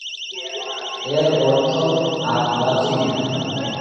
এর অর্থ- আখ বা চিনি।